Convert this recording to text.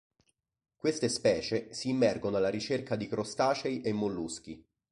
Queste specie si immergono alla ricerca di crostacei e molluschi.